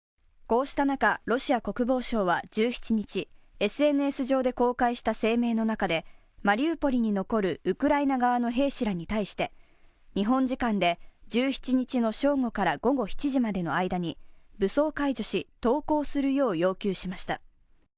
こうした中、ロシア国防省は１７日、ＳＮＳ上で公開した声明の中でマリウポリに残るウクライナ側の兵士らに対して日本時間で１７日の正午から午後７時までの間に武装解除し投降するよう要求しました。